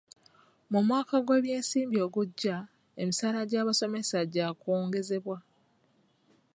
Mu mwaka gw'ebyensimbi ogujja, emisaala gy'abasomesa gyakwongezebwa.